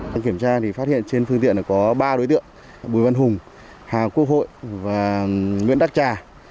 đang kiểm tra thì phát hiện trên phương tiện có ba đối tượng bùi văn hùng hà quốc hội và nguyễn đắc trà